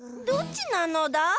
どっちなのだ？